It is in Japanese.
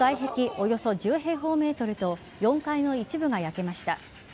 およそ１０平方メートルと４階の一部が焼けました。